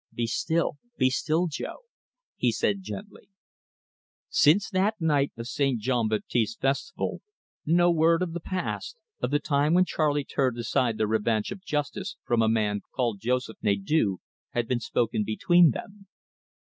"Be still be still, Jo," he said gently. Since that night of St. Jean Baptiste's festival, no word of the past, of the time when Charley turned aside the revanche of justice from a man called Joseph Nadeau, had been spoken between them.